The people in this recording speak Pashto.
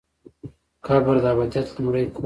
قبر د ابدیت لومړی کور دی؟